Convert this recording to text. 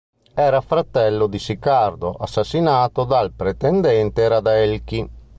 Era fratello di Sicardo, assassinato dal pretendente Radelchi.